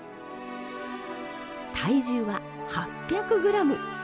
体重は８００グラム。